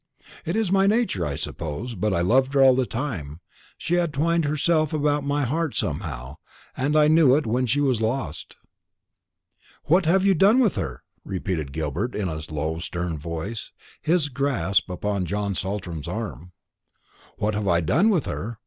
It is my nature, I suppose; but I loved her all the time; she had twined herself about my heart somehow. I knew it when she was lost." "What have you done with her?" repeated Gilbert, in a low stern voice, with his grasp upon John Saltram's arm. "What have I done with her?